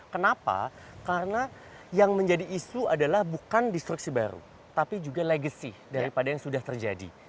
kenapa karena yang menjadi isu adalah bukan disruksi baru tapi juga legacy daripada yang sudah terjadi